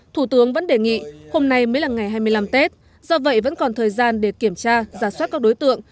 thủ tướng vẫn đề nghị hôm nay mới là ngày hai mươi năm tết do vậy vẫn còn thời gian để kiểm tra giả soát các đối tượng